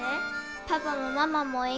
パパもママもええ